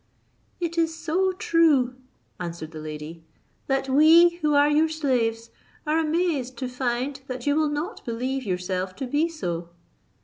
"It is so true," answered the lady, "that we who are your slaves are amazed to find that you will not believe yourself to be so."